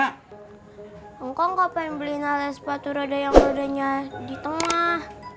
kukong mau beli sepatu roda yang roda nya di tengah